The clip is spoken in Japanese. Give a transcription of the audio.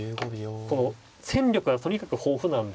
この戦力がとにかく豊富なんで。